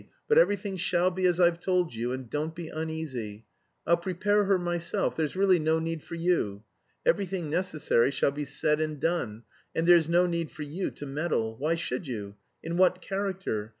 But everything shall be as I've told you, and don't be uneasy. I'll prepare her myself. There's really no need for you. Everything necessary shall be said and done, and there's no need for you to meddle. Why should you? In what character?